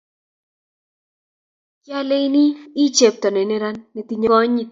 Kialeni ichi chepto ne neran ne tinyei konyit